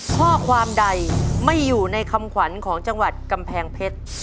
ข้อความใดไม่อยู่ในคำขวัญของจังหวัดกำแพงเพชร